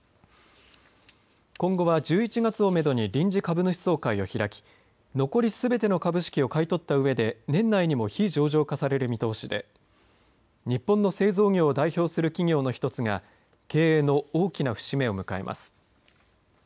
今後は１１月をめどに臨時株主総会を開き残りすべての株式を買い取ったうえで年内にも非上場化される見通しで日本の製造業を代表する企業の１つが経営の大きな節目を迎えます。